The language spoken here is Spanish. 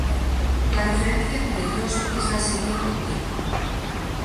La diferencia entre ellos es la serie continua.